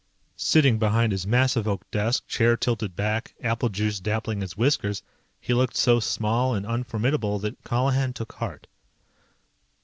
Sitting behind his massive oak desk, chair tilted back, apple juice dappling his whiskers, he looked so small and unformidable, that Colihan took heart.